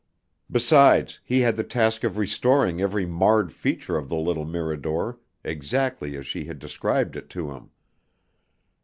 Besides, he had the task of restoring every marred feature of the little Mirador exactly as she had described it to him.